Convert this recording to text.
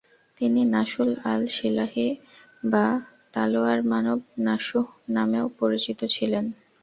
তিনি নাসুল আল-সিলাহি বা তলোয়ারমানব নাসুহ নামেও পরিচিত ছিলেন।